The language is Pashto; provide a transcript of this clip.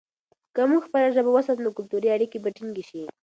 که موږ خپله ژبه وساتو، نو کلتوري اړیکې به ټینګې شي.